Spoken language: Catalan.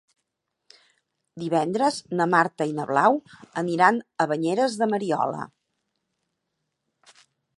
Divendres na Marta i na Blau aniran a Banyeres de Mariola.